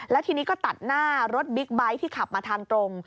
แล้วทีนี้ก็ตัดหน้ารถบิ๊กไบท์ที่ขับมาทางตรง